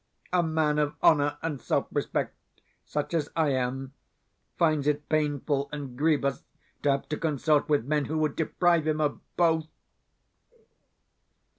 A man of honour and self respect such as I am finds it painful and grievous to have to consort with men who would deprive him of both.